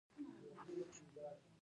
د چهارمغز ونې ډیرې لوړې وي.